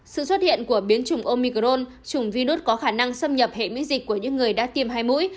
sự xuất hiện của biến chủng omicron trùng virus có khả năng xâm nhập hệ miễn dịch của những người đã tiêm hai mũi